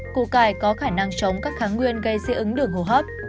củ cải có khả năng chống các kháng nguyên gây dị ứng đường hô hấp